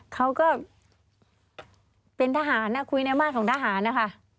เขาก็เป็นทหารคุยในบ้านของทหารนะคะ